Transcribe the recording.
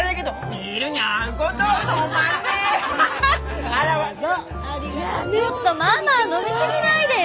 いやちょっとママ飲み過ぎないでよ。